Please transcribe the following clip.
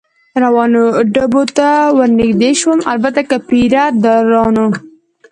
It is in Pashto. روانو ډبو ته ور نږدې شوم، البته که پیره دارانو.